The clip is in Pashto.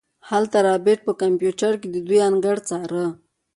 هلته رابرټ په کمپيوټر کې د دوئ انګړ څاره.